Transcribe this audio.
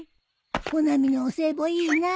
穂波のお歳暮いいなあ。